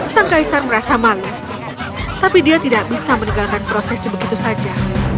sang kaisar merasa malu tapi dia tidak bisa meninggalkan prosesnya begitu saja